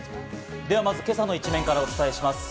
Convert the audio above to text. まず、今朝の一面からお伝えします。